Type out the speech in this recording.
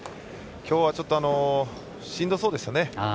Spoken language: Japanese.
きょうはしんどそうでしたね。